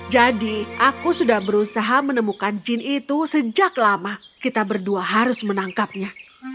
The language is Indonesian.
jadi aku sudah berusaha menemukan jin itu sejak lama kita berdua harus menangkapnya